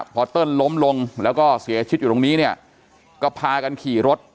พอเติ้ลล้มลงแล้วก็เสียชีวิตอยู่ตรงนี้เนี่ยก็พากันขี่รถ